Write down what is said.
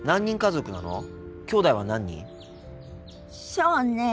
そうね